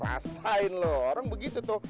rasain lu orang begitu tuh